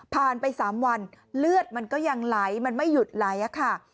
ไป๓วันเลือดมันก็ยังไหลมันไม่หยุดไหลอะค่ะ